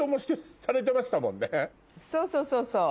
そうそうそうそう。